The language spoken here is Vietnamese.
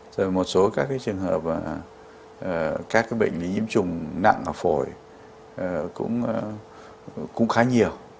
rồi một số các trường hợp các bệnh nhiễm trùng nặng và phổi cũng khá nhiều